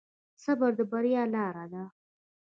صبر د بریا لاره ده.